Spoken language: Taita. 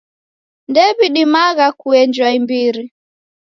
Ndew'idimagha kughenjwa imbiri.